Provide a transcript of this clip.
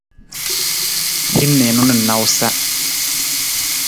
Hin niinu na nawusa.